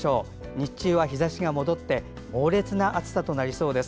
日中は日ざしが戻って猛烈な暑さとなりそうです。